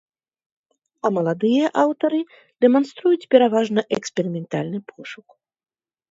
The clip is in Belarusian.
А маладыя аўтары дэманструюць пераважна эксперыментальны пошук.